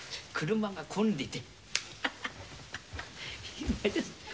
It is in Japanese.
車が混んでて。